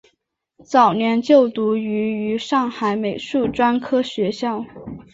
早年就读于于上海美术专科学校。